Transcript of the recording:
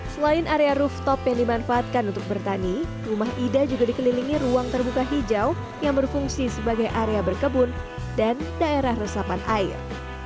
selain area rooftop yang dimanfaatkan untuk bertani rumah ida juga dikelilingi ruang terbuka hijau yang berfungsi sebagai area berkebun dan daerah resapan air